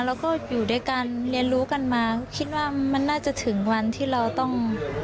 แล้วก็อยู่ด้วยกันเรียนรู้กันมาคิดว่ามันน่าจะถึงวันที่เราต้อง